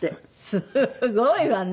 すごいわね！